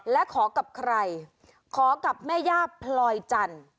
และขอกับใครขอกับแม่ย่าพลอยจันทร์